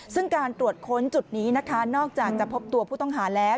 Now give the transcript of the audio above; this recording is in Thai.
ซึ่งการตรวจค้นจุดนี้นะคะนอกจากจะพบตัวผู้ต้องหาแล้ว